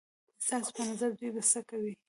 ستاسو په نظر دوی به څه کوي؟